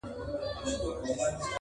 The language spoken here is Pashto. چي خپل مُلا چي خپل لښکر او پاچا ولټوو-